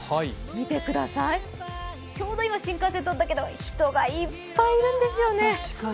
見てください、ちょうど今新幹線が通ったけど人がいっぱいいるんですよね。